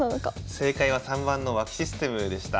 正解は３番の脇システムでした。